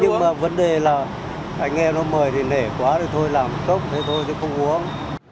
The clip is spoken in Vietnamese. nhưng mà vấn đề là anh em nó mời thì lẻ quá rồi thôi làm cốc thế thôi chứ không uống